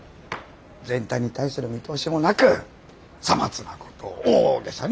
全体に対する見通しもなくさまつな事を大げさに騒ぎ立てる。